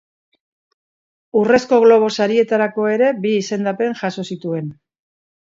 Urrezko Globo Sarietarako ere bi izendapen jaso zituen.